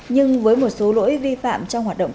nhưng với một số lỗi vi phạm trong hoạt động